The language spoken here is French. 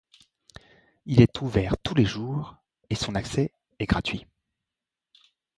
Il est ouvert tous les jours, et son accès est gratuit.